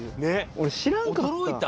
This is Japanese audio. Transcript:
俺知らんかった。